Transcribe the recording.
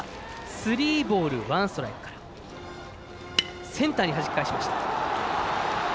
スリーボールワンストライクからセンターにはじき返しました。